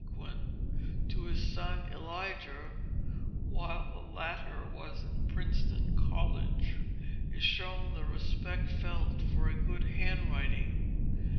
_ to his son Elijah, while the latter was in Princeton College, is shown the respect felt for a good handwriting.